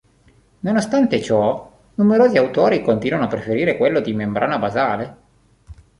Nonostante ciò numerosi autori continuano a preferire quello di membrana basale.